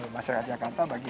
masyarakat jakarta bagi